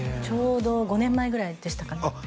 ちょうど５年前ぐらいでしたかね